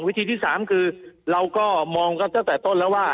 วิธีที่๓คือเราก็มองกันตั้งแต่ต้นแล้วว่า